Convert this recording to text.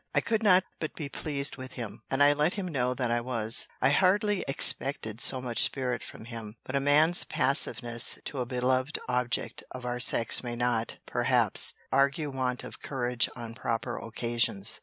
I could not but be pleased with him. And I let him know that I was. I hardly expected so much spirit from him. But a man's passiveness to a beloved object of our sex may not, perhaps, argue want of courage on proper occasions.